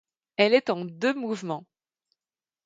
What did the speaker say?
Elle est en deux mouvements.